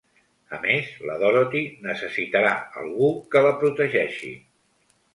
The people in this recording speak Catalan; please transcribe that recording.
A més, la Dorothy necessitarà algú que la protegeixi.